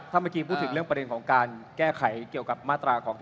ถ้าเมื่อกี้พูดถึงเรื่องประเด็นของการแก้ไขเกี่ยวกับมาตรา๒๕